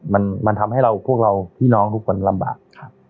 มันทำให้เราพวกเราพี่น้องทุกคนลำบาก